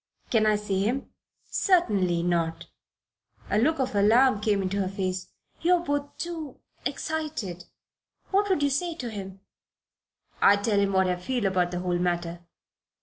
"Can I see him?" "Certainly not." A look of alarm came into her face. "You're both too excited. What would you say to him?" "I'd tell him what I feel about the whole matter."